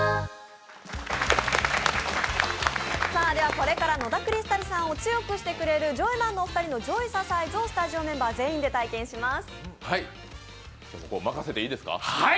これから野田クリスタルさんを強くしてくれるジョイマンのお二人のジョイササイズをスタジオメンバー全員で対決します。